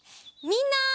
みんな。